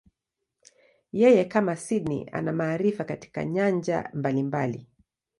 Yeye, kama Sydney, ana maarifa katika nyanja mbalimbali.